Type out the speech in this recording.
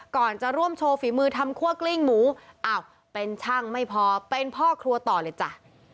ก่อนจะร่วมโชว์ฝีมือทำคั่วกลิ้งหมูอ้าวเป็นช่างไม่พอเป็นพ่อครัวต่อเลยจ้ะ